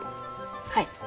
はい。